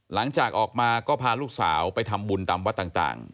หลังจากออกมาก็พาลูกสาวไปทำบุญตามวัดต่าง